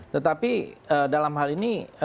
tetapi dalam hal ini